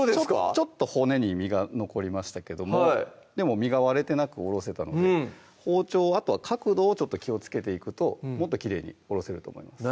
ちょっと骨に身が残りましたけどでも身が割れてなくおろせたので包丁をあとは角度をちょっと気をつけていくともっときれいにおろせると思います